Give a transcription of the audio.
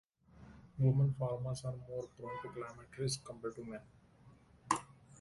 Women farmers are more prone to climate risk compared to men.